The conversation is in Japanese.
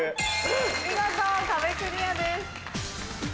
見事壁クリアです。